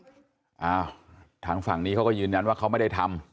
อ้าวทางฝั่งนี้เขาก็ยืนยันว่าเขาไม่ได้ทำ